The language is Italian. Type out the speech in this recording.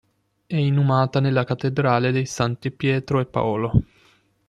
È inumata nella cattedrale dei santi Pietro e Paolo.